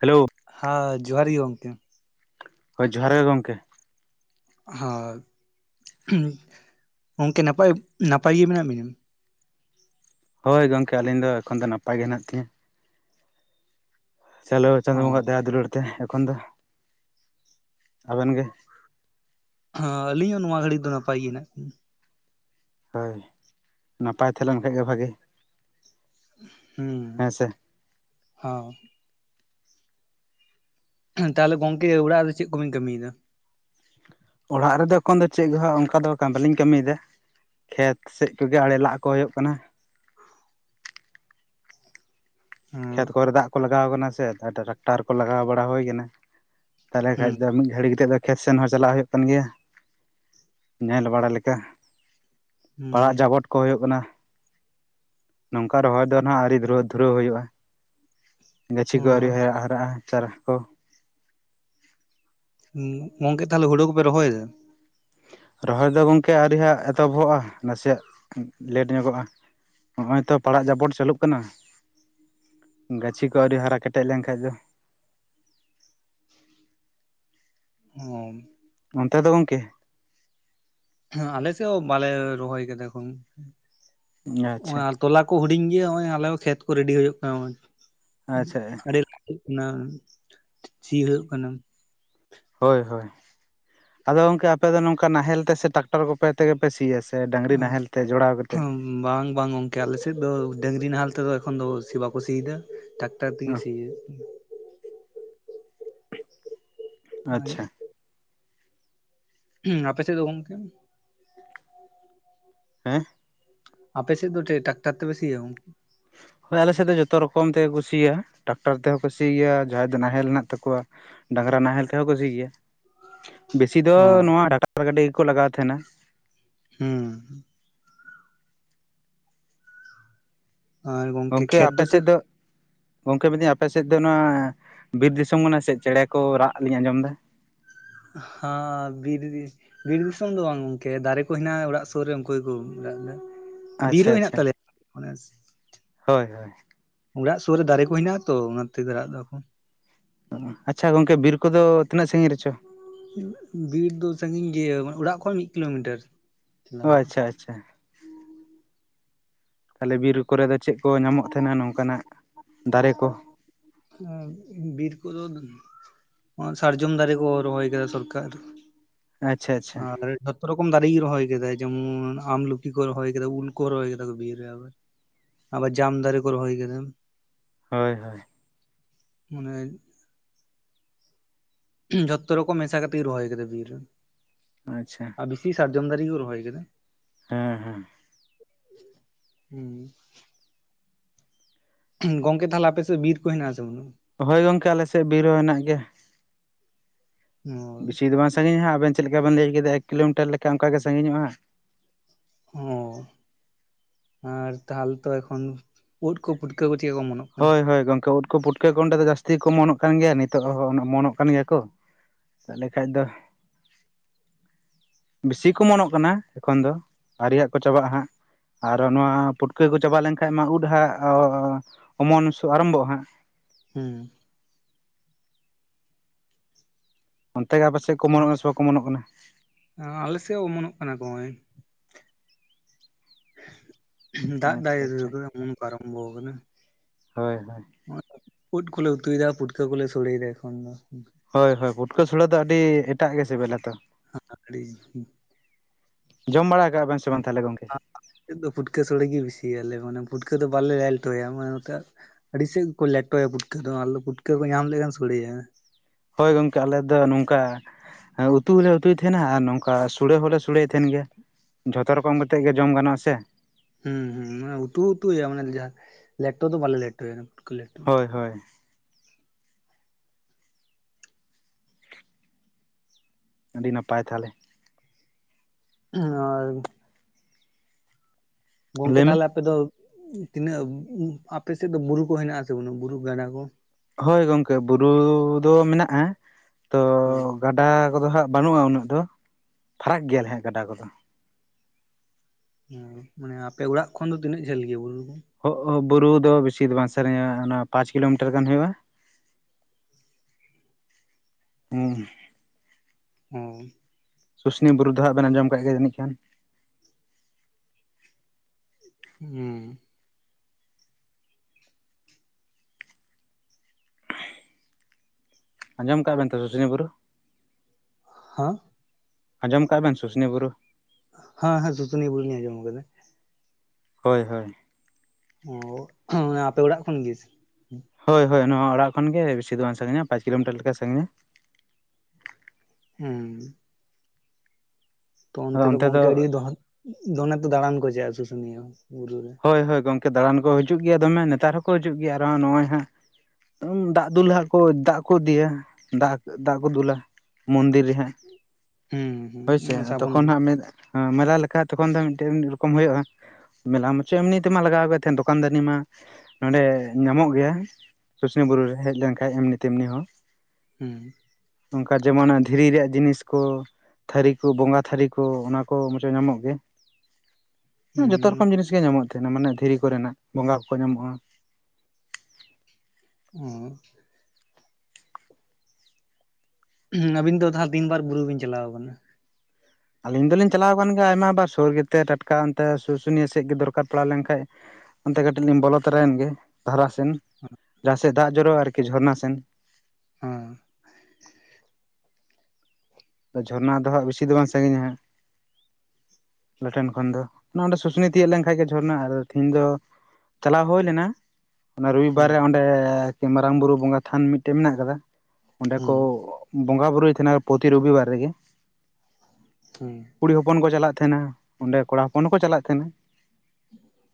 Hello. ᱦᱟᱸ ᱡᱚᱦᱟᱨ ᱜᱮ ᱜᱚᱢᱠᱮ᱾ ᱦᱳᱭ ᱡᱚᱦᱟᱨ ᱜᱮ ᱜᱚᱢᱠᱮ᱾ ᱦᱟᱸ ᱜᱚᱝᱠᱮ ᱱᱟᱯᱟᱭ ᱱᱟᱯᱟᱭ ᱜᱮ ᱢᱮᱱᱟᱜ ᱵᱤᱱᱟᱹ? ᱦᱳᱭ ᱜᱚᱢᱠᱮ ᱟᱹᱞᱤᱧ ᱫᱚ ᱮᱠᱷᱚᱱ ᱫᱚ ᱱᱟᱯᱟᱭ ᱜᱮ ᱦᱮᱱᱟᱜ ᱛᱤᱧᱟᱹ᱾ ᱪᱚᱞᱚ ᱪᱟᱸᱫᱳ ᱦᱚᱸ ᱵᱚᱸᱜᱟᱣᱟᱜ ᱫᱟᱭᱟ ᱫᱩᱞᱟᱹᱲ ᱛᱮ ᱮᱠᱷᱚᱱ ᱫᱚ ᱟᱵᱮᱱ ᱜᱮ? ᱦᱟᱸ ᱟᱹᱞᱤᱧ ᱦᱚᱸ ᱱᱚᱣᱟ ᱜᱷᱟᱹᱲᱤᱡ ᱫᱚ ᱱᱟᱯᱟᱭ ᱜᱮ ᱦᱮᱸᱱᱟᱜ ᱞᱤᱧᱟ᱾ ᱦᱳᱭ [inaudible] ᱱᱟᱯᱟᱭ ᱛᱟᱦᱮᱸ ᱞᱮᱱᱠᱷᱟᱡ ᱜᱮ ᱵᱷᱟᱜᱮ᱾ ᱦᱩᱸ ᱥᱮ [inaudible] ᱦᱚᱸ᱾ ᱛᱟᱦᱚᱞᱮ ᱜᱚᱝᱠᱮ ᱚᱲᱟᱜ ᱨᱮ ᱫᱚ ᱪᱮᱫ ᱠᱚᱵᱤᱱ ᱠᱟᱹᱢᱤᱭᱮᱫᱟ? ᱚᱲᱟᱜ ᱨᱮᱫᱚ ᱮᱠᱷᱚᱱ ᱫᱚ ᱪᱮᱫ ᱜᱮ ᱦᱟᱸᱜ ᱚᱱᱠᱟ ᱫᱚ ᱦᱟᱸᱜᱠᱷᱟᱱ ᱵᱟᱹᱞᱤᱧ ᱠᱟᱹᱢᱤᱭᱮᱫᱟ᱾ ᱠᱷᱮᱛ ᱥᱮᱡ ᱠᱚᱜᱮ ᱟᱲᱮ ᱞᱟᱜ ᱠᱚ ᱦᱩᱭᱩᱜ ᱠᱟᱱᱟ᱾ ᱦᱚᱸ ᱠᱷᱮᱛ ᱠᱚᱨᱮ ᱫᱟᱜ ᱠᱚ ᱞᱟᱜᱟᱣ ᱟᱠᱟᱱᱟ ᱥᱮ ᱴᱨᱟᱠᱴᱟᱨ ᱠᱚ ᱞᱟᱜᱟᱣ ᱵᱟᱲᱟ ᱦᱩᱭ ᱠᱟᱱᱟ [inaudible] ᱛᱟᱦᱚᱞᱮ ᱦᱩᱸ ᱠᱷᱟᱡ ᱫᱚ ᱢᱤᱫ ᱜᱷᱟᱹᱲᱤ ᱛᱮᱫᱚ ᱠᱷᱮᱛ ᱥᱮᱱ ᱦᱚᱸ ᱪᱟᱞᱟᱜ ᱦᱩᱭᱩᱜ ᱠᱟᱱ ᱜᱮᱭᱟ [inaudible] ᱧᱮᱞ ᱵᱟᱲᱟ ᱞᱮᱠᱟ᱾ [inaudible] ᱯᱟᱲᱟᱜ ᱡᱟᱵᱚᱛ ᱠᱚ ᱦᱩᱭᱩᱜ ᱠᱟᱱᱟ [inaudible] ᱱᱚᱝᱠᱟ ᱨᱚᱦᱚᱭ ᱫᱚ ᱱᱟᱜ ᱟᱹᱣᱨᱤ ᱫᱷᱩᱨᱟᱹᱣ ᱦᱩᱭᱩᱜ-ᱟ᱾ ᱜᱟᱹᱪᱷᱤ ᱠᱚ ᱟᱹᱣᱨᱤ ᱦᱩᱸ ᱦᱟᱨᱟᱜ-ᱟ ᱪᱟᱨᱟ ᱠᱚ᱾ ᱦᱩᱸ ᱜᱚᱢᱠᱮ ᱛᱟᱦᱚᱞᱮ ᱦᱩᱲᱩ ᱠᱚᱯᱮ ᱨᱚᱦᱚᱭ ᱫᱟ? ᱨᱚᱦᱚᱭ ᱫᱚ ᱜᱚᱢᱠᱮ ᱟᱹᱣᱨᱤ ᱦᱟᱸᱜ ᱮᱛᱚᱦᱚᱵᱚᱜ-ᱟ ᱱᱟᱥᱮᱭᱟᱜ ᱞᱮᱴ ᱧᱚᱜᱚᱜ-ᱟ᱾ ᱱᱚᱜ-ᱚᱭ ᱛᱚ ᱯᱟᱲᱟᱜ ᱡᱟᱵᱚᱴ ᱪᱟᱹᱞᱩᱜ ᱠᱟᱱᱟ [inaudible] ᱜᱟᱹᱪᱷᱤ ᱠᱚ ᱟᱹᱣᱨᱤ ᱦᱟᱨᱟ ᱠᱮᱴᱮᱡ ᱞᱮᱱᱠᱷᱟᱡ ᱫᱚ᱾ [unintelligible] ᱚᱱᱛᱮ ᱫᱚ ᱜᱚᱢᱠᱮ? ᱦᱚᱸ ᱟᱞᱮ ᱥᱮᱫ ᱦᱚᱸ ᱵᱟᱞᱮ ᱨᱚᱦᱚᱭ ᱠᱟᱫᱟ ᱮᱠᱷᱚᱱ [inaudible] ᱟᱪᱪᱷᱟ ᱱᱚᱜ-ᱚᱭ ᱛᱚᱞᱟ ᱠᱚ ᱦᱩᱰᱤᱧ ᱜᱮᱭᱟ ᱱᱚᱜ-ᱚᱭ ᱟᱞᱮ ᱦᱚᱸ ᱠᱷᱮᱛ ᱠᱚ ᱨᱮᱰᱤ ᱦᱩᱭᱩᱜ ᱠᱟᱱᱟ ᱦᱚᱜ-ᱚᱭ ᱟᱪᱪᱷᱟ [inaudible] ᱟᱹᱰᱤ ᱚᱱᱟ [inaudible] ᱪᱷᱤ ᱦᱩᱭᱩᱜ ᱠᱟᱱᱟ᱾ ᱦᱳᱭ ᱦᱳᱭ [inaudible] ᱟᱫᱚ ᱜᱚᱢᱠᱮ ᱟᱯᱮᱫᱚ ᱱᱚᱝᱠᱟ ᱱᱟᱦᱮᱞ ᱛᱮᱸᱥᱮ ᱴᱟᱠᱴᱚᱨ ᱠᱚᱯᱮ ᱛᱮᱜᱮ ᱯᱮ ᱥᱤᱭᱟ ᱥᱮ ᱰᱟᱹᱝᱨᱤ ᱱᱟᱦᱮᱞ ᱛᱮ ᱡᱚᱲᱟᱣ ᱠᱟᱛᱮᱫ᱾ ᱵᱟᱝ ᱵᱟᱝ ᱜᱚᱢᱠᱮ ᱟᱞᱮᱥᱮᱫ ᱫᱚ ᱰᱟᱹᱝᱨᱤ ᱱᱟᱦᱮᱞ ᱛᱮᱫᱚ ᱮᱠᱷᱚᱱ ᱫᱚ ᱥᱤ ᱵᱟᱠᱚ ᱥᱤᱭᱮᱫᱟ᱾ ᱴᱨᱟᱠᱴᱟᱨ ᱛᱮᱜᱮ ᱥᱤᱭᱳ᱾ ᱦᱩᱭᱩᱜ-ᱟ᱾ ᱟᱪᱪᱷᱟ᱾ ᱦᱩᱸ ᱟᱯᱮᱥᱮᱫ ᱫᱚ ᱜᱚᱝᱠᱮ ᱦᱮᱸ ᱟᱯᱮᱥᱮᱫ ᱫᱚ ᱪᱮᱫ ᱴᱟᱠᱴᱟᱨ ᱛᱮᱯᱮ ᱥᱤᱭᱟ ᱜᱚᱝ ᱦᱳᱭ ᱟᱞᱮᱥᱮᱫ ᱫᱚ ᱡᱚᱛᱚ ᱨᱚᱠᱚᱢ ᱛᱮᱜᱮ ᱠᱚ ᱥᱤᱭᱟ ᱴᱟᱠᱴᱟᱨ ᱛᱮᱦᱚ ᱠᱚ ᱥᱤᱭᱟ ᱡᱟᱦᱟᱸᱭ ᱫᱚ ᱱᱟᱦᱮᱞ ᱦᱮᱱᱟᱜ ᱛᱟᱠᱚᱣᱟ᱾ ᱰᱟᱝᱨᱟ ᱱᱟᱦᱮᱞ ᱛᱮᱦᱚᱸ ᱠᱚ ᱥᱤ ᱜᱮᱭᱟ [inaudible] ᱵᱮᱥᱤ ᱫᱚ ᱦᱚᱸ ᱱᱚᱣᱟ ᱴᱨᱟᱠᱴᱟᱨ ᱜᱟᱹᱰᱤ ᱜᱮᱠᱚ ᱞᱟᱜᱟᱣ ᱛᱟᱦᱮᱱᱟ᱾ ᱦᱩᱸ ᱟᱨ ᱜᱚᱝᱠᱮ ᱜᱚᱢᱠᱮ ᱠᱷᱮᱛ ᱟᱯᱮ ᱪᱮᱫ ᱥᱮᱫ ᱫᱚ? [inaudible] ᱜᱚᱝᱠᱮ ᱢᱮᱱᱫᱟᱹᱧ ᱟᱯᱮ ᱥᱮᱫ ᱫᱚ ᱱᱚᱣᱟ ᱵᱤᱨ ᱫᱤᱥᱚᱢ ᱠᱟᱱᱟ ᱥᱮ ᱪᱮᱬᱮ ᱠᱚ ᱨᱟᱜ ᱞᱤᱧ ᱟᱸᱡᱚᱢ ᱮᱫᱟ? ᱦᱚᱸ ᱵᱤᱨ ᱫᱤ ᱵᱤᱨ ᱫᱤᱥᱚᱢ ᱫᱚ ᱵᱟᱝ ᱜᱚᱢᱠᱮ ᱫᱟᱨᱮ ᱠᱚ ᱦᱮᱱᱟᱜ-ᱟ ᱚᱲᱟᱜ ᱥᱩᱨ ᱨᱮ ᱩᱱᱠᱩ ᱜᱮᱠᱚ ᱨᱟᱜ ᱮᱫᱟ᱾ ᱵᱤᱨᱳ ᱦᱮᱱᱟᱜ ᱛᱟᱞᱮᱭᱟ [inaudible] ᱚᱱᱮ ᱦᱳᱭᱻᱦᱳᱭᱻ ᱚᱲᱟᱜ ᱥᱩᱨ ᱨᱮ ᱫᱟᱨᱮ ᱠᱚ ᱦᱮᱱᱟᱜᱼᱟ ᱛᱚ ᱚᱱᱟ ᱜᱮ ᱨᱟᱜ ᱫᱟᱠᱚ᱾ ᱟᱪᱪᱷᱟ ᱜᱚᱝᱠᱮ ᱵᱤᱨ ᱠᱚᱫᱚ ᱛᱤᱱᱟᱹᱜ ᱥᱟᱺᱜᱤᱧ ᱨᱮᱪᱚ? ᱵᱤᱨ ᱫᱚ ᱥᱟᱺᱜᱤᱧ ᱜᱮᱭᱟ ᱚᱲᱟᱜ ᱠᱷᱚᱱᱟᱜ ᱢᱤᱫ ᱠᱤᱞᱳᱢᱤᱴᱟᱨ᱾ ᱚᱻ ᱪᱟᱞᱟᱜ ᱦᱩᱭᱩᱜᱼᱟ ᱟᱪᱪᱷᱟ ᱟᱪᱪᱷᱟ ᱛᱟᱦᱚᱞᱮ ᱵᱤᱨ ᱠᱚᱨᱮ ᱫᱚ ᱪᱮᱫ ᱠᱚ ᱧᱟᱢᱚᱜ ᱛᱟᱦᱮᱱᱟ ᱱᱚᱝᱠᱟᱱᱟᱜ [inaudible] ᱫᱟᱨᱮ ᱠᱚ ᱵᱤᱨ ᱠᱚᱫᱚ [inaudible] ᱱᱚᱣᱟ ᱥᱟᱨᱡᱚᱢ ᱫᱟᱨᱮ ᱠᱚ ᱨᱚᱦᱚᱭ ᱟᱠᱟᱫᱟ ᱥᱚᱨᱠᱟᱨ ᱟᱪᱪᱷᱟ ᱟᱪᱪᱷᱟ ᱟᱨᱻ ᱡᱷᱚᱛᱚ ᱨᱚᱠᱚᱢ ᱫᱟᱨᱮ ᱜᱮ ᱨᱚᱦᱚᱭ ᱠᱮᱫᱟᱭ ᱡᱮᱢᱚᱱ ᱟᱢ ᱞᱚᱠᱤ ᱠᱚ ᱨᱚᱦᱚᱭ ᱠᱮᱫᱟᱭ ᱩᱞ ᱠᱚ ᱨᱚᱦᱚᱭ ᱠᱮᱫᱟ ᱠᱚ ᱵᱤᱨ ᱨᱮ ᱟᱵᱟᱨ ᱟᱵᱟᱨ ᱡᱟᱢ ᱫᱟᱨᱮ ᱠᱚ ᱨᱚᱦᱚᱭ ᱠᱟᱫᱟ᱾ ᱦᱳᱭᱻᱦᱳᱭᱻ ᱢᱟᱱᱮᱼᱼ ᱡᱷᱚᱛᱚ ᱨᱚᱠᱚᱢ ᱢᱮᱥᱟ ᱠᱟᱛᱮᱧ ᱨᱚᱦᱚᱭ ᱠᱟᱫᱟ ᱵᱤᱨ ᱨᱮ ᱾ ᱟᱪᱪᱷᱟ ᱾ ᱟᱨ ᱵᱮᱥᱤ ᱥᱟᱨᱡᱚᱢ ᱫᱟᱨᱤ ᱜᱤᱧ ᱨᱚᱦᱚᱭ ᱠᱟᱫᱟ ᱾ ᱦᱮᱸ ᱦᱮᱸ ᱾ ᱦᱩᱸ ᱾ ᱜᱚᱝᱠᱮ ᱛᱟᱦᱚᱞᱮ ᱟᱯᱮ ᱥᱮᱫ ᱵᱤᱨ ᱠᱚ ᱦᱮᱱᱟᱜ ᱟᱥᱮ ᱵᱟᱝ? ᱦᱳᱭ ᱜᱚᱝᱠᱮ ᱟᱞᱮᱥᱮᱫ ᱵᱤᱨ ᱦᱚᱸ ᱦᱮᱱᱟᱜ ᱜᱮᱭᱟ ᱾ ᱵᱮᱥᱤ ᱫᱚ ᱵᱟᱝ ᱥᱟᱺᱜᱤᱧᱚᱸᱜ-ᱟ, ᱟᱵᱮᱱ ᱪᱮᱫ ᱞᱮᱠᱟ ᱵᱮᱱ ᱞᱟᱹᱭ ᱠᱮᱫᱟ ᱮᱠ ᱠᱤᱞᱳᱢᱤᱴᱟᱨ ᱞᱮᱠᱟ ᱚᱱᱠᱟᱜᱮ ᱥᱟᱺᱤᱧᱚᱜᱼᱟ ᱾ ᱚᱸ ᱟᱨ ᱛᱟᱦᱚᱞᱮ ᱛᱚ ᱮᱠᱷᱚᱱ ᱩᱫ ᱠᱚ, ᱯᱩᱴᱠᱟᱹ ᱠᱚ, ᱪᱮᱫ ᱠᱟ ᱚᱢᱚᱱᱚᱜᱼᱟ? ᱦᱳᱭ ᱦᱳᱭ ᱜᱚᱝᱠᱮ ᱩᱫ ᱠᱚ ᱯᱩᱴᱠᱟᱹ ᱠᱚ ᱚᱸᱰᱮ ᱫᱚ ᱡᱟᱹᱥᱛᱤ ᱜᱮᱠᱚ ᱚᱢᱚᱱᱚᱜ ᱠᱟᱱ ᱜᱮᱭᱟ, ᱱᱤᱛᱚᱜ ᱦᱚᱸ ᱩᱱᱟᱹᱜ ᱚᱢᱚᱱᱚᱜ ᱠᱟᱱ ᱜᱮᱭᱟ ᱠᱚ ᱾ ᱛᱟᱦᱚᱞᱮ ᱠᱷᱟᱡ ᱫᱚᱼᱼ [inaudible] ᱵᱤᱥᱤ ᱠᱚ ᱚᱢᱚᱱᱚᱜ ᱠᱟᱱᱟ ᱮᱠᱷᱚᱱ ᱫᱚ ᱾ ᱟᱹᱣᱨᱤᱭᱟᱜ ᱠᱚ ᱪᱟᱵᱟᱜᱼᱟ ᱦᱟᱸᱜ, ᱟᱨ ᱱᱚᱣᱟ ᱯᱩᱴᱠᱟᱹ ᱠᱚ ᱪᱟᱵᱟ ᱞᱮᱱᱠᱷᱟᱡ ᱢᱟ ᱩᱫ ᱦᱟᱸᱜ ᱮᱼᱼ ᱚᱢᱚᱱ ᱠᱚ ᱟᱨᱟᱢᱵᱷᱚᱜᱼᱟ ᱦᱟᱸᱜ ᱾ ᱦᱩᱸ ᱾ ᱚᱱᱛᱮ ᱜᱮ ᱟᱯᱮ ᱥᱮᱫ ᱠᱚ ᱚᱢᱚᱱᱚᱜ ᱠᱟᱱᱟ ᱥᱮ ᱵᱟᱠᱚ ᱚᱢᱚᱱᱚᱜ ᱠᱟᱱᱟ? ᱟᱞᱮ ᱥᱮᱫ ᱚᱢᱚᱱᱚᱜ ᱠᱟᱱᱟ ᱠᱚ ᱾ ᱫᱟᱜ ᱫᱟᱭ ᱟᱪᱪᱷᱟ ᱟᱪᱪᱷᱟ ᱮᱢᱚᱱ ᱠᱟᱨᱚᱢ [unintelligible] ᱠᱟᱱᱟ ᱾ ᱦᱳᱭ ᱦᱳᱭ ᱾ ᱩᱫ ᱠᱚᱞᱮ ᱩᱛᱩᱭᱫᱟ, ᱯᱩᱴᱠᱟᱹ ᱠᱚᱞᱮ ᱥᱳᱲᱮᱭᱮᱫᱟ ᱮᱠᱷᱚᱱ ᱫᱚ ᱾ ᱦᱳᱭ ᱦᱳᱭ, ᱯᱩᱴᱠᱟᱹ ᱥᱳᱲᱮ ᱫᱚ ᱟᱹᱰᱤ ᱮᱴᱟᱜ ᱜᱮ ᱥᱤᱵᱤᱞᱟ ᱛᱚ ᱟᱹᱰᱤ ᱾ ᱡᱚᱢ ᱵᱟᱲᱟ ᱠᱟᱜ-ᱟ ᱵᱮᱱ ᱥᱮ ᱵᱟᱝ ᱛᱟᱦᱞᱮ ᱜᱚᱝᱠᱮ? ᱩᱫ ᱫᱚ ᱯᱩᱴᱠᱟᱹ ᱥᱚᱲᱮ ᱜᱮ ᱵᱮᱥᱤ ᱟᱞᱮ ᱢᱟ [unintelligible] ᱯᱩᱴᱠᱟᱹ ᱫᱚ ᱵᱟᱞᱮ ᱞᱮᱴᱚᱭᱟ ᱢᱟᱱᱮ ᱱᱚᱝᱠᱟ ᱾ ᱟᱹᱰᱤ ᱥᱮᱫ ᱜᱮᱠᱚ ᱞᱮᱴᱚᱭᱟ ᱯᱩᱴᱠᱟᱹ ᱫᱚ ᱟᱞᱮᱫᱚ ᱯᱩᱴᱠᱟᱹ ᱠᱚ ᱧᱟᱢ ᱞᱮᱠᱷᱟᱱ ᱥᱳᱲᱮᱭᱟᱞᱮ ᱾ ᱦᱳᱭ ᱜᱚᱢᱠᱮ ᱟᱞᱮ ᱫᱚ ᱱᱚᱝᱠᱟᱼᱼ ᱦᱮᱸ ᱩᱛᱩ ᱦᱚᱸᱞᱮ ᱩᱛᱩᱭᱮᱫ ᱛᱟᱸᱦᱮᱱᱟ ᱟᱨ ᱱᱚᱝᱠᱟ ᱥᱚᱲᱮ ᱦᱚᱸᱞᱮ ᱥᱚᱲᱮᱭᱮᱫ ᱛᱟᱸᱦᱮᱱ ᱜᱮᱭᱟ ᱾ ᱡᱷᱚᱛᱚ ᱨᱚᱠᱚᱢ ᱠᱟᱛᱮᱫ ᱜᱮ ᱡᱚᱢ ᱜᱟᱱᱚᱜᱼᱟ ᱥᱮ ᱾ ᱦᱩᱸ ᱦᱩᱸ ᱢᱮ ᱩᱛᱩ ᱩᱛᱩ ᱢᱟ ᱡᱟᱦᱟᱸ ᱞᱮᱴᱚ ᱫᱚ ᱵᱟᱞᱮ ᱞᱮᱴᱚᱭᱟ ᱞᱮᱴ [unintelligible] ᱦᱚᱭ ᱦᱚᱭ ᱾ ᱟᱹᱰᱤ ᱱᱟᱯᱟᱭ ᱛᱟᱦᱚᱞᱮ ᱾ ᱦᱩᱸ ᱟᱨ [unintelligible] ᱜᱚᱝᱠᱮ ᱞᱟᱹᱭ ᱢᱮ ᱛᱟᱦᱚᱞᱮ ᱟᱯᱮ ᱫᱚ ᱛᱤᱱᱟᱹᱜ ᱩᱸ ᱟᱯᱮᱥᱮᱫ ᱫᱚ ᱵᱩᱨᱩ ᱠᱚ ᱦᱮᱱᱟᱜ ᱟᱥᱮ ᱵᱟᱹᱱᱩᱜ ᱵᱩᱨᱩ ᱜᱟᱰᱟ ᱠᱚ? ᱦᱚᱭ ᱜᱚᱝᱠᱮ ᱵᱩᱨᱩ ᱫᱚ ᱢᱮᱱᱟᱜᱼᱟ ᱾ ᱦᱩᱸ ᱾ ᱜᱟᱰᱟ ᱠᱚᱫᱚ ᱦᱟᱸᱜ ᱵᱟᱹᱱᱩᱜᱼᱟ ᱩᱱᱟᱹᱜ ᱫᱚ, ᱯᱷᱟᱨᱟᱠ ᱜᱮᱭᱟᱞᱮ ᱦᱟᱸᱜ ᱜᱟᱰᱟ ᱠᱚᱫᱚ ᱾ ᱦᱩᱸ ᱢᱟᱱᱮ ᱟᱯᱮ ᱚᱲᱟᱜ ᱠᱷᱚᱱ ᱫᱚ ᱛᱤᱱᱟᱹᱜ ᱡᱷᱟᱹᱞ ᱜᱮᱭᱟ ᱵᱚᱞᱮ? ᱦᱚᱜᱼᱚ ᱵᱩᱨᱩ ᱫᱚ ᱵᱤᱥᱤ ᱫᱚ ᱵᱟᱝ ᱥᱟᱹᱜᱤᱧᱟ ᱾ ᱚᱱᱟ ᱯᱟᱸᱪ ᱠᱤᱞᱳᱢᱤᱴᱟᱨ ᱜᱟᱱ ᱦᱩᱭᱩᱜᱼᱟ ᱾ ᱦᱩᱸ ᱾ ᱦᱮᱸ ᱾ ᱥᱩᱥᱱᱤ ᱵᱩᱨᱩ ᱫᱚ ᱦᱟᱸᱜ ᱵᱮᱱ ᱟᱸᱚᱢ ᱟᱠᱟᱫ ᱜᱮᱭᱟ ᱡᱟᱹᱱᱤᱡ ᱠᱷᱟᱱ? ᱦᱩᱸ ᱾ ᱟᱸᱡᱚᱢ ᱟᱠᱟᱜ ᱵᱮᱱ ᱛᱚ ᱥᱩᱩᱱᱤ ᱵᱩᱨᱩ? ᱦᱮᱸᱜ? ᱟᱸᱡᱚᱢ ᱠᱟᱜᱼᱟ ᱵᱮᱱ ᱥᱩᱥᱱᱤ ᱵᱩᱨᱩ? ᱦᱮᱸ ᱦᱮᱸ ᱥᱩᱥᱱᱤ ᱵᱚᱞᱤ ᱟᱸᱡᱚᱢ ᱠᱟᱫᱟ᱾ ᱦᱳᱭ ᱦᱳᱭ ᱚ ᱦᱮᱸ ᱚᱱᱮ ᱟᱯᱮ ᱚᱲᱟᱜ ᱠᱷᱚᱱ ᱜᱤ? ᱦᱳᱭ ᱦᱳᱭ ᱱᱚᱣᱟ ᱚᱲᱟᱜ ᱠᱷᱚᱱᱜ ᱜᱮ ᱵᱤᱥᱤ ᱫᱚ ᱵᱟᱝ ᱥᱟᱺᱜᱤᱧᱟ ᱯᱟᱪ ᱠᱤᱞᱳᱢᱤᱴᱟᱨ ᱞᱮᱠᱟ ᱥᱟᱺᱜᱤᱧᱟ᱾ ᱦᱩᱸ ᱛᱚ ᱚᱱᱛᱮ ᱫᱚ ᱜᱚᱝᱠᱮ ᱟᱹᱰᱤ ᱫᱚᱦᱚᱸ ᱫᱚᱢᱮ ᱛᱚ ᱫᱟᱲᱟᱱ ᱠᱚ ᱪᱟᱜᱼᱟ ᱥᱩᱥᱱᱤ ᱦᱚᱸ ᱵᱩᱨᱩ ᱨᱮ᱾ ᱦᱳᱭ ᱦᱳᱭ ᱜᱚᱝᱠᱮ ᱫᱟᱲᱟᱱ ᱠᱚ ᱦᱤᱡᱩᱜ ᱜᱮᱭᱟ ᱫᱚᱢᱮ ᱱᱮᱛᱟᱨ ᱦᱚᱸᱠᱚ ᱦᱤᱡᱩᱜ ᱜᱮᱭᱟ ᱟᱨᱦᱚᱸ ᱱᱚᱜᱼᱚᱭ ᱦᱟᱸᱜ ᱩᱸ ᱫᱟᱜ ᱫᱩᱞ ᱦᱟᱸᱜ ᱠᱚ ᱫᱟᱜ ᱠᱚ ᱤᱫᱤᱭᱟ ᱫᱟᱜ ᱫᱟᱜ ᱠᱚ ᱫᱩᱞᱟ᱾ ᱢᱚᱱᱫᱤᱨ ᱨᱮ ᱦᱟᱸᱜ ᱦᱩᱸ ᱦᱳᱭᱥᱮ ᱦᱩᱸ ᱥᱟᱵᱚᱱ ᱛᱚᱠᱷᱚᱱ ᱦᱟᱸᱜ ᱢᱮ ᱦᱮᱸ ᱢᱮᱞᱟ ᱞᱮᱠᱟ ᱦᱟᱸᱜ ᱛᱚᱠᱷᱚᱱ ᱫᱚ ᱢᱤᱫᱴᱮᱱ ᱨᱚᱠᱚᱢ ᱦᱩᱭᱩᱜᱼᱟ ᱢᱮᱞᱟ ᱪᱮᱢᱱᱤ ᱛᱮᱢᱟ ᱞᱟᱜᱟᱣ ᱜᱮ ᱛᱟᱦᱮᱸᱱ ᱫᱚᱠᱟᱱ ᱫᱟᱱᱤ ᱢᱟ ᱱᱚᱸᱰᱮ ᱧᱟᱢᱚᱜ ᱜᱮᱭᱟ ᱥᱩᱥᱱᱤ ᱵᱩᱨᱩ ᱨᱮ ᱦᱮᱡ ᱞᱮᱱ ᱠᱷᱟᱱᱡ ᱮᱢᱱᱤ ᱛᱮᱢᱱᱤ ᱦᱚᱸ᱾ ᱦᱩᱸ ᱚᱝᱠᱟ ᱡᱮᱢᱚᱱᱟ ᱫᱷᱤᱨᱤ ᱨᱮᱭᱟᱜ ᱡᱤᱱᱤᱥ ᱠᱚ᱾ ᱛᱷᱟᱹᱨᱤ ᱠᱚ ᱵᱚᱸᱜᱟ ᱛᱷᱟᱹᱨᱤ ᱠᱚ ᱚᱱᱟ ᱠᱚ ᱢᱟᱪᱚ ᱧᱟᱢᱚᱜ ᱜᱮ᱾ [inaudible] ᱡᱚᱛᱚ ᱨᱚᱠᱚᱢ ᱦᱩᱸ ᱡᱤᱱᱤᱥ ᱜᱮ ᱧᱟᱢᱚᱜ ᱛᱟᱦᱮᱱᱟ ᱢᱟᱱᱮ ᱫᱷᱤᱨᱤ ᱠᱚᱨᱮᱱᱟᱜ ᱵᱚᱸᱜᱟ ᱠᱚᱠᱚ ᱧᱟᱢᱚᱜᱼᱟ᱾ ᱦᱩᱸ ᱦᱩᱸ ᱟᱵᱤᱱ ᱫᱚ ᱛᱟᱦᱟ ᱛᱤᱱ ᱵᱟᱨ ᱵᱩᱨᱩ ᱵᱤᱱ ᱪᱟᱞᱟᱣ ᱠᱟᱱᱟ? ᱟᱹᱞᱤᱧ ᱫᱚᱞᱤᱧ ᱪᱟᱞᱟᱣ ᱠᱟᱱ ᱜᱮᱭᱟ ᱟᱭᱢᱟ ᱵᱟᱨ ᱥᱩᱨ ᱜᱮᱛᱮ ᱴᱟᱴᱠᱟ ᱚᱱᱛᱮ ᱥᱩᱥᱩᱱᱤᱭᱟᱹ ᱥᱮᱜ ᱜᱮ ᱫᱚᱨᱠᱟᱨ ᱯᱟᱲᱟᱣ ᱞᱮᱱ ᱠᱷᱟᱡ ᱚᱱᱛᱮ ᱠᱟᱹᱴᱤᱡ ᱞᱤᱧ ᱵᱚᱞᱚ ᱛᱚᱨᱟᱭᱮᱱ ᱜᱮ ᱫᱷᱟᱨᱟ ᱥᱮᱱ ᱡᱟᱦᱟᱸ ᱥᱮᱜ ᱫᱟᱜ ᱡᱚᱨᱚ ᱟᱨᱠᱤ ᱡᱷᱚᱨᱱᱟ ᱥᱮᱱ ᱾ ᱦᱮᱸ ᱛᱚ ᱡᱷᱚᱨᱱᱟ ᱫᱚ ᱦᱟᱸᱜ ᱵᱮᱥᱤ ᱫᱚ ᱵᱟᱝ ᱥᱟᱺᱜᱤᱧᱟ ᱦᱟᱸᱜ ᱾ ᱟᱞᱮ ᱴᱷᱮᱱ ᱠᱷᱚᱱ ᱫᱚ ᱱᱚᱣᱟ ᱫᱚ ᱥᱩᱥᱱᱤ ᱛᱤᱭᱟᱹᱜ ᱞᱮᱱ ᱠᱷᱟᱡ ᱜᱮ ᱡᱷᱚᱨᱱᱟ ᱟᱨᱚ ᱛᱤᱦᱤᱧ ᱫᱚ ᱪᱟᱞᱟᱣ ᱦᱳᱭ ᱞᱮᱱᱟ ᱾ ᱚᱱᱟ ᱨᱚᱵᱤᱵᱟᱨ ᱦᱮᱸ ᱨᱮ ᱚᱸᱰᱮ ᱢᱟᱨᱟᱝ ᱵᱩᱨᱩ ᱵᱚᱸᱜᱟ ᱛᱷᱟᱱ ᱢᱤᱫᱴᱮᱡ ᱢᱮᱱᱟᱜ ᱟᱠᱟᱫᱟ ᱚᱸᱰᱮ ᱠᱚ ᱦᱮᱸ ᱵᱚᱸᱜᱟ ᱵᱩᱨᱩᱭ ᱛᱷᱮᱱᱟ ᱯᱚᱛᱤ ᱨᱚᱵᱤᱵᱟᱨ ᱨᱮᱜᱮ ᱾ ᱦᱩᱸ᱾ ᱠᱩᱲᱤ ᱦᱚᱯᱚᱱ ᱠᱚ ᱪᱟᱞᱟᱜ ᱛᱷᱮᱱᱟ ᱚᱸᱰᱮ ᱠᱚᱲᱟ ᱦᱚᱯᱚᱱ ᱦᱚᱸᱠᱚ ᱪᱟᱞᱟᱜ ᱛᱷᱮᱱᱟ ᱾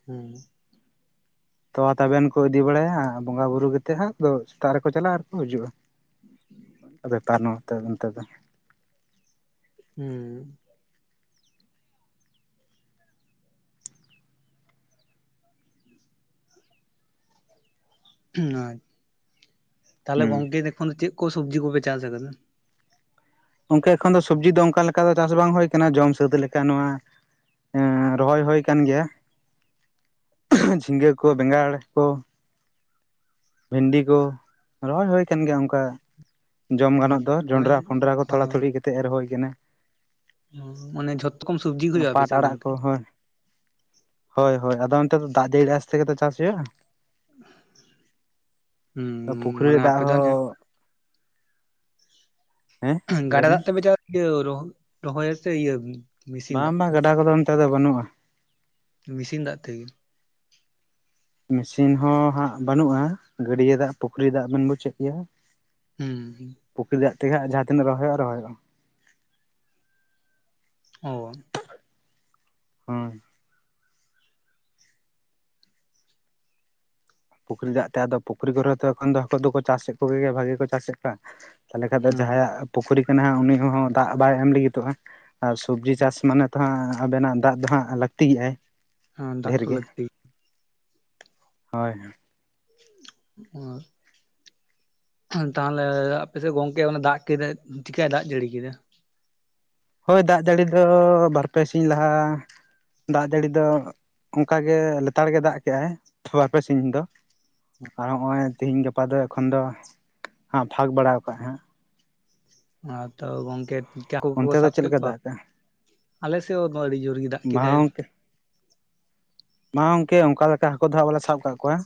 ᱦᱩᱸ ᱛᱚᱣᱟ ᱛᱟᱵᱮᱱ ᱠᱚ ᱤᱫᱤ ᱵᱟᱲᱟᱭᱟ ᱵᱚᱸᱜᱟ ᱵᱩᱨᱩ ᱠᱮᱛᱮᱜ ᱦᱟᱸᱜ ᱟᱫᱚ ᱥᱮᱛᱟᱜ ᱨᱮᱠᱚ ᱪᱟᱞᱟᱜᱼᱟ ᱟᱨᱠᱚ ᱦᱟᱹᱡᱩᱜᱼᱟ ᱾ ᱵᱮᱯᱟᱨ ᱱᱚᱛᱮ ᱚᱱᱛᱮ ᱫᱚ ᱾ ᱦᱩᱸ ᱾ [inaudible] ᱛᱟᱞᱦᱮ ᱦᱩᱸ ᱜᱚᱝᱠᱮ ᱮᱠᱷᱚᱱ ᱪᱮᱜ ᱠᱚ ᱥᱚᱵᱽᱡᱤ ᱠᱚᱯᱮ ᱪᱟᱥ ᱟᱠᱟᱫᱟ? ᱜᱚᱝᱠᱮ ᱮᱠᱷᱚᱱ ᱫᱚ ᱥᱚᱵᱽᱡᱤ ᱫᱚ ᱚᱝᱠᱟ ᱞᱮᱠᱟ ᱫᱚ ᱪᱟᱥ ᱵᱟᱝ ᱦᱩᱭ ᱠᱟᱱᱟ ᱡᱚᱢ ᱥᱟᱹᱛ ᱞᱮᱠᱟ ᱱᱚᱣᱟ ᱮᱸ ᱨᱚᱦᱚᱭ ᱦᱩᱭ ᱠᱟᱱ ᱜᱮᱭᱟ ᱡᱷᱤᱸᱜᱟᱹ ᱠᱚ ᱵᱮᱸᱜᱟᱲ ᱠᱚ ᱾ ᱵᱷᱤᱱᱰᱤ ᱠᱚ ᱨᱚᱦᱚᱭ ᱦᱩᱭ ᱠᱟᱱ ᱜᱮᱭᱟ ᱚᱝᱠᱟ ᱡᱚᱢ ᱜᱟᱱᱚᱜ ᱫᱚ ᱢᱟᱱᱮ ᱡᱚᱸᱰᱨᱟ ᱯᱷᱚᱸᱰᱨᱟ ᱠᱚ ᱦᱚᱸ ᱛᱷᱚᱲᱟ ᱛᱷᱩᱲᱤ ᱠᱮᱛᱮᱜ ᱮᱨ ᱦᱚᱭ ᱠᱟᱱᱟ ᱾ ᱢᱟᱱ ᱡᱷᱚᱛᱚ ᱠᱚᱢ ᱥᱚᱵᱽᱡᱤ ᱜᱮ ᱦᱩᱭᱩᱜᱼᱟ ᱟᱯᱮ ᱯᱟᱴ ᱥᱮᱜ ᱜᱚᱝᱠᱮ? ᱦᱚᱭ ᱦᱚᱭ ᱟᱫᱚ ᱚᱱᱛᱮ ᱫᱚ ᱫᱟᱜ ᱡᱟᱹᱲᱤ ᱟᱥᱛᱮ ᱜᱮᱛᱚ ᱪᱟᱥ ᱦᱩᱭᱩᱜᱼᱟ ᱾ ᱦᱩᱸ ᱯᱩᱠᱷᱨᱤ ᱨᱮ ᱢᱟᱱᱮ ᱫᱟᱜ ᱟᱯᱮ ᱫᱚ ᱟᱱᱮ ᱦᱚᱸ ᱦᱮᱸ ᱞᱟᱹᱭ ᱜᱟᱰᱟ ᱢᱮ ᱫᱟᱜ ᱛᱮᱯᱮ ᱪᱟᱜ ᱤᱭᱟᱹ ᱨᱚᱦᱚ ᱨᱚᱦᱚᱭᱟ ᱥᱮ ᱤᱭᱟᱹ ᱢᱮᱥᱤᱱ ᱵᱟᱝ ᱫᱟᱜ ᱵᱟᱝ ᱛᱮ? ᱜᱟᱰᱟ ᱠᱚᱫᱚ ᱚᱱᱛᱮ ᱫᱚ ᱵᱟᱹᱱᱩᱜᱼᱟ ᱾ ᱢᱮᱥᱤᱱ ᱫᱟᱜ ᱛᱮᱜᱮ? ᱢᱮᱥᱤᱱ ᱦᱚᱸ ᱦᱟᱸᱜ ᱵᱟᱹᱱᱩᱜᱼᱟ, ᱜᱟᱹᱰᱭᱟᱹ ᱫᱟᱜ ᱯᱩᱠᱷᱨᱤ ᱫᱟᱜ ᱵᱮᱱ ᱵᱩᱡᱷᱮᱜ ᱜᱮᱭᱟ᱾ ᱦᱩᱸ ᱯᱩᱠᱷᱨᱤ ᱫᱟᱜ ᱛᱮᱜᱮ ᱦᱟᱸᱜ ᱡᱟᱦᱟᱸ ᱛᱤᱱᱟᱹᱜ ᱨᱚᱦᱚᱭ ᱦᱩᱭᱩᱜᱼᱟ᱾ ᱚ᱾ ᱦᱳᱭ᱾ ᱯᱩᱠᱷᱨᱤ ᱫᱟᱜ ᱛᱮ ᱟᱫᱚ ᱯᱩᱠᱷᱨᱤ ᱠᱚᱨᱮ ᱦᱚᱸᱛᱚ ᱮᱠᱷᱚᱱ ᱫᱚ ᱦᱟᱹᱠᱩ ᱫᱚᱠᱚ ᱪᱟᱥᱮᱫ ᱠᱚᱜᱮ ᱜᱮᱭᱟ ᱵᱷᱟᱜᱮ ᱠᱚ ᱪᱟᱥᱮᱫ ᱠᱚᱣᱟ᱾ ᱛᱟᱞᱦᱮ ᱠᱷᱟᱡ ᱫᱚ ᱦᱩᱸ ᱡᱟᱦᱟᱸᱭᱟᱜ ᱯᱩᱠᱷᱨᱤ ᱠᱟᱱᱟ ᱦᱟᱸᱜ ᱩᱱᱤ ᱦᱚᱸ ᱫᱟᱜ ᱵᱟᱭ ᱮᱢ ᱞᱟᱹᱜᱤᱫᱚᱜᱼᱟ ᱟᱨ ᱥᱚᱵᱡᱤ ᱪᱟᱥ ᱢᱟᱱᱮ ᱛᱚ ᱦᱟᱸᱜ ᱟᱵᱮᱱᱟᱜ ᱫᱟᱜ ᱫᱚ ᱦᱟᱸᱜ ᱞᱟᱹᱠᱛᱤ ᱜᱮᱟᱭᱟᱭ ᱦᱮᱸ ᱫᱟᱜ ᱰᱷᱮᱨ ᱛᱚ ᱜᱮ, ᱞᱟᱹᱠᱛᱤ ᱜᱮᱭᱟ᱾ ᱦᱳᱭ᱾ ᱦᱳᱭ᱾ ᱛᱟᱦᱞᱮ ᱟᱯᱮ ᱥᱮᱫ ᱜᱚᱝᱠᱮ ᱚᱱᱟ ᱫᱟᱜ ᱠᱮᱫᱟᱭ ᱪᱤᱠᱟᱭ ᱫᱟᱜ ᱡᱟᱹᱲᱤ ᱠᱮᱫᱟ? ᱦᱳᱭ ᱫᱟᱜ ᱡᱟᱹᱲᱤ ᱫᱚ ᱵᱟᱨ ᱯᱮ ᱥᱤᱧ ᱞᱟᱦᱟ ᱫᱟᱜ ᱡᱟᱹᱲᱤ ᱫᱚ ᱚᱝᱠᱟ ᱜᱮ ᱞᱮᱛᱟᱲ ᱜᱮ ᱫᱟᱜ ᱠᱮᱜ-ᱟᱭ ᱵᱟᱨᱯᱮ ᱥᱤᱧ ᱫᱚ, ᱟᱨ ᱦᱚᱸᱜᱼᱚᱭ ᱛᱤᱦᱤᱧ ᱜᱟᱯᱟ ᱫᱚ ᱮᱠᱷᱚᱱ ᱫᱚ ᱦᱟᱸᱜ ᱯᱷᱟᱸᱠ ᱵᱟᱲᱟᱣ ᱠᱟᱜ-ᱟᱭ ᱦᱟᱸᱜ᱾ ᱱᱚᱣᱟ ᱛᱚ ᱜᱚᱝᱠᱮ ᱦᱟᱹᱠᱩ ᱠᱚᱠᱚ ᱚᱱᱛᱮ ᱫᱚ ᱥᱟᱵ ᱪᱮᱫ ᱠᱮᱫ ᱞᱮᱠᱟ ᱠᱚᱣᱟ, ᱫᱟᱜ ᱠᱟᱜᱼᱟ ᱟᱞᱮ ᱥᱮᱫ ᱦᱚᱸ ᱫᱚ ᱟᱹᱰᱤ ᱡᱳᱨ ᱜᱮ ᱫᱟᱜ ᱢᱟ ᱠᱮᱫᱟᱭ᱾ ᱵᱟ ᱜᱚᱝᱠᱮ ᱚᱱᱠᱟ ᱞᱮᱠᱟ ᱦᱟᱹᱠᱩ ᱫᱚ ᱦᱟᱸᱜ ᱵᱟᱞᱮ ᱥᱟᱵ ᱠᱟᱜ ᱠᱚᱣᱟ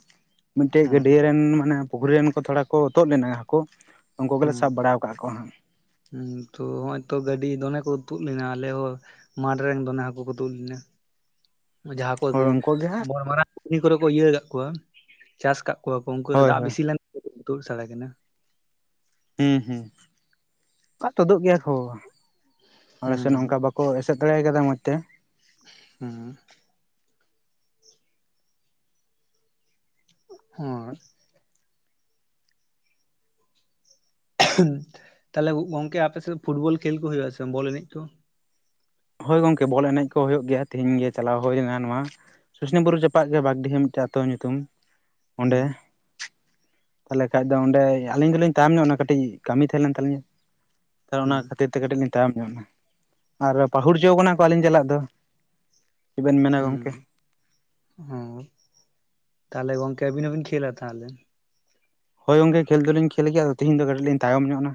ᱢᱤᱫᱴᱤᱡ ᱦᱮᱸ ᱜᱟᱹᱰᱤᱭᱟᱹ ᱨᱮᱱ ᱢᱟᱱᱮ ᱯᱩᱠᱷᱨᱤ ᱨᱮᱱ ᱠᱚ ᱛᱷᱚᱲᱟ ᱠᱚ ᱛᱩᱫ ᱞᱮᱱᱟ ᱦᱟᱹᱠᱩ ᱩᱱᱠᱩ ᱜᱮᱞᱮ ᱦᱮᱸ ᱥᱟᱵ ᱵᱟᱲᱟᱣ ᱠᱟᱜ ᱠᱚᱣᱟ ᱦᱟᱸᱜ᱾ ᱦᱩᱸ ᱛᱚ ᱦᱚᱸᱜ-ᱚᱭ ᱛᱚ ᱜᱟᱹᱰᱤ ᱫᱚᱢᱮ ᱠᱚ ᱛᱩᱫ ᱞᱮᱱᱟ ᱟᱞᱮ ᱦᱚᱸ ᱢᱟᱴᱷ ᱨᱮᱱ ᱫᱚᱢᱮ ᱦᱟᱹᱠᱩ ᱠᱚ ᱛᱩᱫ ᱞᱮᱱᱟ᱾ ᱡᱟᱦᱟᱸ ᱠᱚ ᱦᱳᱭ ᱩᱱᱠᱩ ᱜᱮ ᱦᱟᱸᱜ ᱢᱟᱨᱟᱝ [inaudible] ᱠᱚᱨᱮ ᱠᱚ ᱤᱭᱟᱹ ᱠᱟᱜ ᱠᱚᱣᱟ, ᱪᱟᱥ ᱠᱟᱜ ᱠᱚᱣᱟ ᱠᱚ ᱩᱱᱠᱩ ᱫᱚ ᱦᱳᱭ ᱫᱟᱜ ᱦᱳᱭ ᱵᱮᱥᱤ ᱞᱮᱱ [inaudible] ᱛᱩᱫ ᱥᱟᱲ ᱠᱟᱱᱟ᱾ ᱦᱩᱸ ᱦᱩᱸ, [inaudible] ᱛᱩᱫᱩᱜ ᱜᱮᱭᱟ ᱠᱚ, ᱟᱞᱮ ᱥᱮᱱ ᱦᱩᱸ ᱚᱱᱠᱟ ᱵᱟᱠ ᱠᱚ ᱮᱥᱮᱫ ᱫᱟᱲᱮ ᱟᱠᱟᱫᱟ ᱢᱚᱡᱽ ᱛᱮ, ᱦᱩᱸ᱾ ᱦᱳᱭ᱾ ᱛᱟᱞᱦᱮ ᱜᱚᱝᱠᱮ ᱟᱯᱮ ᱥᱮᱫ ᱯᱷᱩᱴᱵᱚᱞ ᱠᱷᱮᱞ ᱠᱚ ᱦᱩᱭᱩᱜ-ᱟ ᱥᱮ ᱵᱟᱝ ᱵᱚᱞ ᱮᱱᱮᱡ ᱠᱚ? ᱦᱳᱭ ᱜᱚᱝᱠᱮ ᱵᱚᱞ ᱮᱱᱮᱡ ᱠᱚ ᱦᱩᱭᱩᱜ ᱜᱮᱭᱟ, ᱛᱤᱦᱤᱧ ᱜᱮ ᱪᱟᱞᱟᱣ ᱦᱩᱭ ᱞᱮᱱᱟ ᱱᱚᱣᱟ ᱥᱩᱥᱱᱤ ᱵᱩᱨᱩ ᱪᱟᱯᱟᱜᱫ ᱜᱮ ᱵᱟᱜᱽᱰᱤᱦᱟᱹ ᱢᱤᱫᱴᱮᱡ ᱟᱹᱛᱩ ᱧᱩᱛᱩᱢ ᱦᱩᱸ ᱚᱸᱰᱮ᱾ ᱛᱟᱞᱦᱮ ᱠᱷᱟᱡ ᱫᱚ ᱚᱸᱰᱮ ᱟᱹᱞᱤᱧ ᱫᱚᱞᱤᱧ ᱛᱟᱭᱚᱢ ᱧᱚᱜ ᱚᱱᱟ ᱠᱟᱹᱴᱤᱡ ᱠᱟᱹᱢᱤ ᱛᱟᱦᱮᱸ ᱞᱮᱱ ᱛᱟᱹᱞᱤᱧᱟ, ᱛᱟᱞᱦᱮ ᱚᱱᱟ ᱦᱩᱸ ᱠᱷᱟᱹᱛᱤᱨ ᱛᱮ ᱠᱟᱹᱴᱤᱡ ᱞᱤᱧ ᱛᱟᱭᱚᱢ ᱧᱚᱜ ᱮᱱᱟ᱾ ᱟᱨ ᱯᱟᱹᱦᱩᱲ ᱦᱚᱪᱚ ᱟᱠᱟᱱᱟ ᱠᱚ ᱟᱹᱞᱤᱧ ᱪᱟᱞᱟᱜ ᱫᱚ᱾ ᱪᱮᱫ ᱵᱮᱱ ᱢᱮᱱᱟ ᱦᱩᱸ, ᱜᱚᱝᱠᱮ ᱦᱳᱭ, ᱛᱟᱦᱚᱞᱮ ᱜᱚᱝᱠᱮ ᱟᱹᱵᱤᱱ ᱦᱚᱸᱵᱤᱱ ᱠᱷᱮᱞᱟ ᱛᱟᱦᱚᱞᱮ? ᱦᱳᱭ ᱜᱚᱝᱠᱮ ᱠᱷᱮᱞ ᱫᱚᱞᱤᱧ ᱠᱷᱮᱞ ᱜᱮᱭᱟ ᱟᱫᱚ ᱛᱤᱦᱤᱧ ᱫᱚ ᱠᱟᱹᱴᱤᱡ ᱞᱤᱧ ᱛᱟᱭᱚᱢ ᱧᱚᱜ ᱮᱱᱟ᱾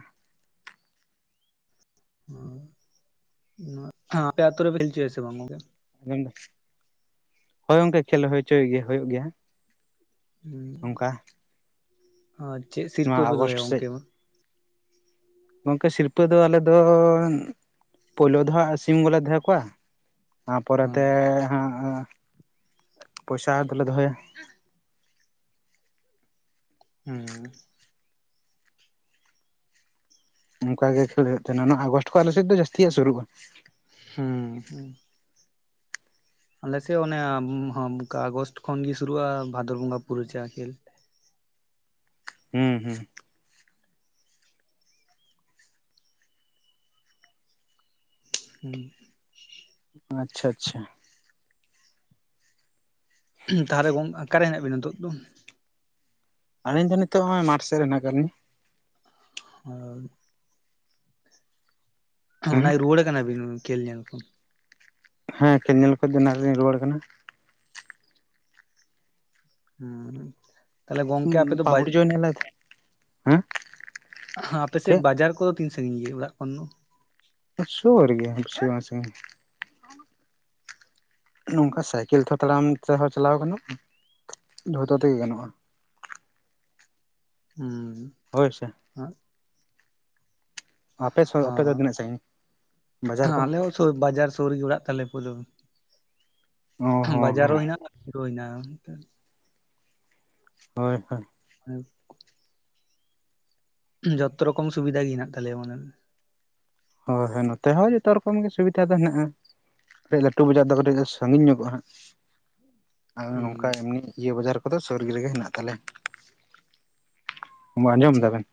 ᱚ ᱱᱚᱣᱟ ᱟᱯᱮ ᱟᱹᱛᱩ ᱨᱮᱯᱮ ᱠᱷᱮᱞ ᱪᱚ ᱥᱮ ᱵᱟᱝ ᱜᱚᱝᱠᱮ? ᱟᱸᱡᱚᱢ ᱫᱟᱢ, ᱦᱳᱭ ᱜᱚᱝᱠᱮ ᱠᱷᱮᱞ ᱦᱚᱪᱚᱭ ᱦᱳᱭᱳᱜ ᱜᱮᱭᱟ᱾ ᱦᱩᱸ, ᱚᱱᱠᱟ ᱦᱚᱸ ᱪᱮᱫ ᱱᱚᱣᱟ ᱥᱤᱨᱯᱟᱹ ᱯᱮ ᱟᱜᱚᱥᱴ ᱫᱚᱦᱚᱭᱟ ᱥᱮᱫ᱾ ᱜᱚᱝᱠᱮ ᱢᱟ? ᱜᱚᱝᱠᱮ ᱥᱤᱨᱯᱟᱹ ᱫᱚ ᱟᱞᱮ ᱫᱚ ᱯᱳᱭᱞᱳ ᱫᱚ ᱦᱟᱸᱜ ᱥᱤᱢ ᱜᱮᱞᱮ ᱫᱚᱦᱚ ᱠᱚᱣᱟ, ᱟᱨ ᱯᱚᱨᱮ ᱛᱮ ᱦᱮᱸ ᱦᱟᱸᱜ ᱯᱚᱭᱥᱟ ᱫᱚᱞᱮ ᱫᱚᱦᱚᱭᱟ᱾ ᱦᱩᱸ᱾ ᱚᱱᱠᱟ ᱜᱮ ᱠᱷᱮᱞ ᱦᱳᱭᱳᱜ ᱛᱟᱦᱮᱱᱟ ᱚᱱᱟ ᱟᱜᱚᱥᱴ ᱠᱷᱚᱡ ᱟᱞᱮ ᱥᱮᱫ ᱫᱚ ᱡᱟᱹᱥᱛᱤ ᱦᱟᱸᱜ ᱥᱩᱨᱩᱜ-ᱟ᱾ ᱦᱩᱸ ᱦᱩᱸ᱾ ᱟᱞᱮ ᱥᱮᱫ ᱚᱱᱟ ᱦᱚᱢ ᱠᱟ ᱟᱜᱚᱥᱴ ᱠᱷᱚᱱ ᱜᱮ ᱥᱩᱨᱩᱜᱼᱟ ᱵᱷᱟᱫᱚᱨ ᱵᱚᱸᱜᱟ ᱯᱩᱨᱟᱹ ᱪᱟᱜ-ᱟ ᱠᱷᱮᱞ᱾ ᱦᱩᱸ ᱦᱩᱸ᱾ ᱦᱩᱸ᱾ ᱟᱪᱪᱷᱟ ᱟᱪᱪᱷᱟ᱾ ᱦᱩᱸᱧ ᱛᱟᱦᱚᱞᱮ ᱜᱚᱝ ᱚᱠᱟᱨᱮ ᱦᱮᱱᱟᱜ ᱵᱤᱱᱟ ᱦᱤᱛᱳᱜ ᱫᱚ? ᱟᱹᱞᱤᱧ ᱫᱚ ᱱᱤᱛᱚᱜ ᱦᱚᱜ-ᱚᱭ ᱢᱟᱴᱥᱮᱫ ᱨᱮ ᱦᱮᱱᱟᱜ ᱟᱠᱟᱫ ᱞᱤᱧᱟ᱾ ᱦᱳᱭ ᱾ ᱚᱱᱟ‌ ᱦᱮᱸ ᱜᱮ ᱨᱩᱣᱟᱹᱲ ᱠᱟᱱᱟ ᱵᱤᱱ ᱠᱷᱮᱞ ᱧᱮᱞ ᱠᱷᱚᱱ ᱦᱮᱸ ᱠᱷᱮᱹᱞ ᱧᱮᱞ ᱠᱷᱚᱡ ᱫᱚ ᱮᱱᱟᱝ ᱨᱮ ᱞᱤᱧ ᱨᱩᱣᱟᱹᱲ ᱠᱟᱱᱟ᱾ ᱦᱩᱸᱻ ᱛᱟᱦᱚᱞᱮ ᱜᱚᱝᱠᱮ ᱟᱯᱮ ᱫᱚ ᱯᱟᱹᱦᱩᱲ ᱵᱟᱡᱟ ᱡᱚᱭᱮᱱ ᱮᱱᱟᱞᱮ ᱦᱮᱸ ᱦᱟᱸ ᱟᱯᱮ ᱪᱮᱫ ᱥᱮᱫ ᱵᱟᱡᱟᱨ ᱠᱚᱫᱚ ᱛᱤᱱ ᱥᱟᱺᱜᱤᱧ ᱜᱮᱭᱟ ᱚᱲᱟᱜ ᱠᱷᱚᱱ ᱫᱚ? ᱥᱩᱨ ᱜᱮᱭᱟ ᱵᱮᱥᱤ ᱵᱟᱝ ᱥᱟᱺᱜᱤᱧᱟ᱾ ᱱᱚᱝᱠᱟ ᱥᱟᱭᱠᱮᱞ ᱛᱮᱦᱚᱸ ᱛᱟᱲᱟᱢ ᱛᱮᱦᱚᱸ ᱪᱟᱞᱟᱣ ᱜᱟᱱᱚᱜ-ᱟ, ᱡᱚᱛᱚ ᱛᱮᱜᱮ ᱜᱟᱱᱚᱜ-ᱟ᱾ ᱦᱩᱸᱻ᱾ ᱦᱳᱭ ᱥᱮ᱾ ᱟᱸᱜᱼᱼ [unintelligible] ᱟᱯᱮ [unintelligible] ᱟᱯᱮ ᱫᱚ ᱦᱚᱸ ᱛᱤᱱᱟᱹᱜ ᱥᱟᱺᱜᱤᱧ ᱵᱟᱡᱟᱨ ᱠᱚ? ᱟᱞᱮ ᱦᱚᱸ ᱥᱩᱨ ᱵᱟᱡᱟᱨ ᱥᱩᱨ ᱨᱮᱜᱮ ᱚᱲᱟᱜ ᱛᱟᱞᱮ ᱯᱩᱨᱟᱹ, ᱵᱟᱡᱟᱨ ᱦᱚᱸ ᱦᱮᱱᱟᱜ-ᱟ ᱟᱛᱩ ᱦᱚᱸ ᱦᱮᱱᱟᱜ-ᱟ᱾ [unintelligible] ᱦᱚᱭ ᱦᱚᱭ᱾ [unintelligible] ᱡᱚᱛᱚ ᱨᱚᱠᱚᱢ ᱥᱩᱵᱤᱫᱟ ᱜᱮ ᱦᱮᱱᱟᱜ ᱛᱟᱞᱮᱭᱟ ᱢᱟᱱᱮ᱾ ᱦᱚᱭ ᱦᱚᱭ ᱱᱚᱛᱮ ᱦᱚᱸ ᱡᱚᱛᱚ ᱨᱚᱠᱚᱢ ᱜᱮ ᱥᱩᱵᱤᱫᱟ ᱫᱚ ᱦᱮᱱᱟᱜ-ᱟ᱾ ᱠᱟᱹᱴᱤᱡ ᱞᱟᱹᱴᱩ ᱵᱟᱡᱟᱨ ᱫᱚ ᱠᱟᱹᱴᱤᱡ ᱫᱚ ᱥᱟᱺᱜᱤᱧ ᱧᱚᱜᱚᱜ-ᱟ ᱦᱟᱸᱜ᱾ ᱟᱨ ᱦᱩᱸ ᱱᱚᱝᱠᱟ ᱮᱢᱱᱤ ᱤᱭᱟᱹ ᱵᱟᱡᱟᱨ ᱠᱚᱫᱚ ᱥᱩᱨ ᱨᱮᱜᱮ ᱦᱮᱱᱟᱜ ᱛᱟᱞᱮᱭᱟ᱾ ᱟᱸᱡᱚᱢ ᱴᱷᱤᱠ ᱫᱟᱵᱮᱱ᱾